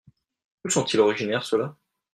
D’où sont-ils originaires ceux-là ?